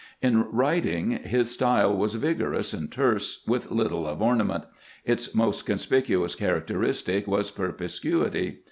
In writing his style was vigorous and terse, with little of ornament; its most conspicuous characteristic was perspicuity.